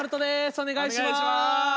お願いします。